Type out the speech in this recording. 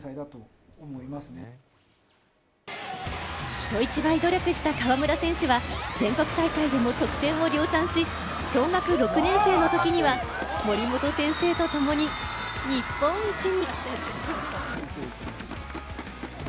人一倍努力した河村選手は全国大会でも得点を量産し、小学６年生のときには森本先生と共に日本一に。